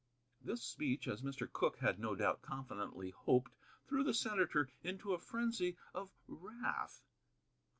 This speech, as Mr. Cooke had no doubt confidently hoped, threw the senator into a frenzy of wrath.